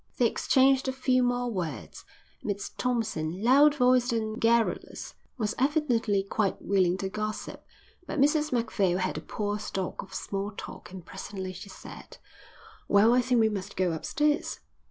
They exchanged a few more words. Miss Thompson, loud voiced and garrulous, was evidently quite willing to gossip, but Mrs Macphail had a poor stock of small talk and presently she said: "Well, I think we must go upstairs."